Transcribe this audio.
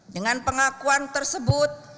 dengan pengakuan tersebut